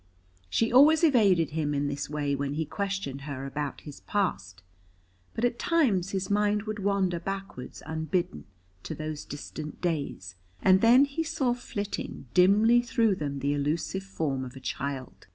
She always evaded him in this way when he questioned her about his past, but at times his mind would wander backwards unbidden to those distant days, and then he saw flitting dimly through them the elusive form of a child.